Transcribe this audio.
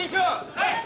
はい！